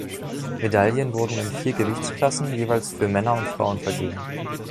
Medaillen wurden in vier Gewichtsklassen jeweils für Männer und Frauen vergeben.